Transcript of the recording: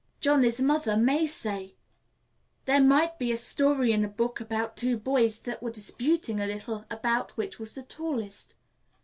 Johnny's mother may say, "There might be a story in a book about two boys that were disputing a little about which was the tallest.